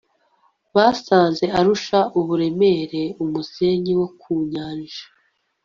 basanze arusha uburemere umusenyi wo ku nyanja